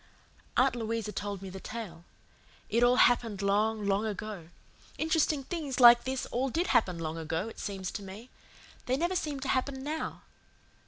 Aunt Louisa told me the tale. It all happened long, long ago. Interesting things like this all did happen long ago, it seems to me. They never seem to happen now.